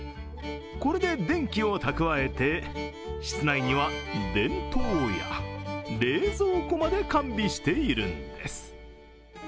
これで電気を蓄えて室内には電灯や冷蔵庫まで完備しているんです。